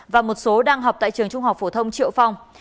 và một số đang học tại trường trung học phổ thông triệu phong